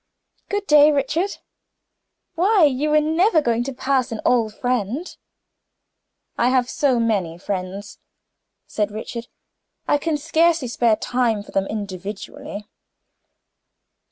"Good day, Richard. Why! you were never going to pass an old friend?" "I have so many friends," said Richard, "I can scarcely spare time for them individually."